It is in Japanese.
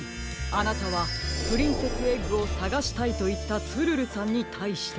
あなたは「プリンセスエッグをさがしたい」といったツルルさんにたいして。